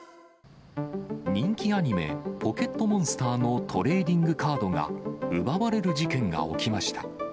人気アニメ、ポケットモンスターのトレーディングカードが奪われる事件が起きました。